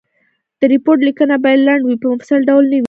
د ریپورټ لیکنه باید لنډ وي په مفصل ډول نه وي.